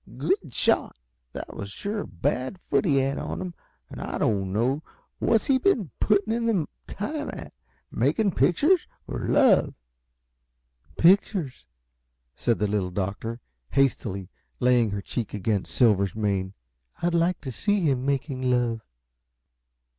"Good shot! That was sure a bad foot he had on him, and I didn't know What's he been putting in the time at? Making pictures or love?" "Pictures," said the Little Doctor, hastily, laying her cheek against Silver's mane. "I'd like to see him making love!"